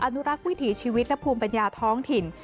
อนุรักษ์วิถีชีวิตและภูมิปัญญาท้องถิ่น